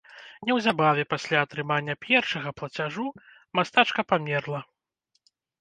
Неўзабаве пасля атрымання першага плацяжу мастачка памерла.